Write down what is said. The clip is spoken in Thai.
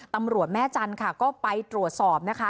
ตำรวจแม่จันทร์ค่ะก็ไปตรวจสอบนะคะ